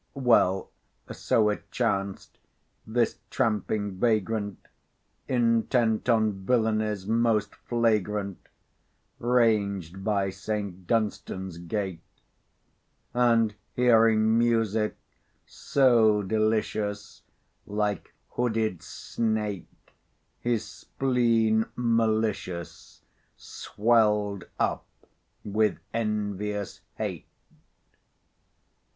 Well, so it chanced, this tramping vagrant, Intent on villanies most flagrant, Ranged by Saint Dunstan's gate; And hearing music so delicious, Like hooded snake, his spleen malicious Swelled up with envious hate.